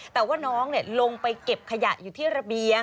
แต่ว่าน้องลงไปเก็บขยะอยู่ที่ระเบียง